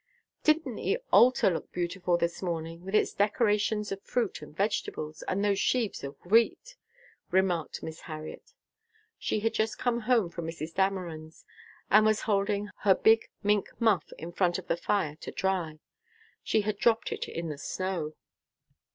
"Didn't the altar look beautiful this morning with its decorations of fruit and vegetables, and those sheaves of wheat?" remarked Miss Harriet. She had just come home from Mrs. Dameron's, and was holding her big mink muff in front of the fire to dry. She had dropped it in the snow.